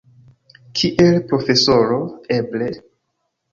Kiel profesoro, eble?